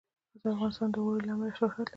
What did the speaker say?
افغانستان د اوړي له امله شهرت لري.